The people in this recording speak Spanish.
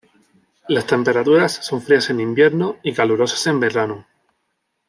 Las temperaturas son frías en invierno y calurosas en verano.